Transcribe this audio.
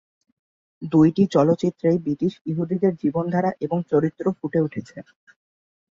দুইটি চলচ্চিত্রেই ব্রিটিশ ইহুদীদের জীবনধারা এবং চরিত্র ফুটে উঠেছে।